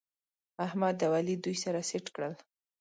احمد او علي دوی سره سټ کړل